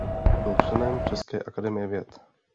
Byl členem české akademie věd.